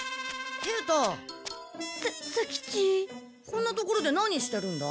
こんな所で何してるんだ？